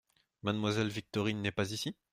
Mademoiselle Victorine n’est pas ici ?